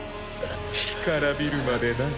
干からびるまでな。